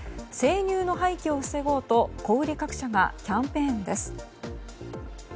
生乳の廃棄を防ごうと小売り各社がキャンペーンです。